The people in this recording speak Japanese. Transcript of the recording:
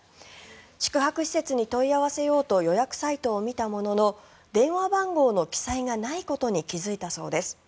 宿泊施設に問い合わせようと予約サイトを見たものの電話番号の記載がないことに気付いたそうです。